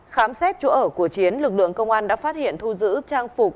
khám xét chỗ ở của chiến lực lượng công an đã phát hiện thu giữ trang phục